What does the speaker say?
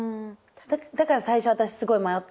だから最初私すごい迷った。